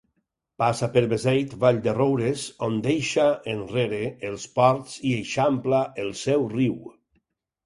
Passa per Beseit, Vall-de-roures, on deixa enrere els ports i eixampla el seu llit.